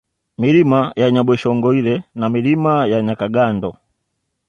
Milima ya Nyabweshongoile na Milima ya Nyakagando